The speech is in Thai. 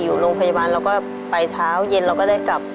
อยู่โรงพยาบาลเราก็ไปเช้าเย็นเราก็ได้กลับ